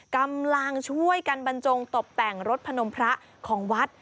กำลังช่วยกันบรรจงตบแต่งรถพนมพระของวัด